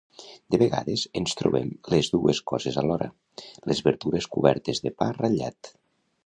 De vegades en trobem les dues coses alhora, les verdures cobertes de pa ratllat.